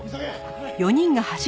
はい。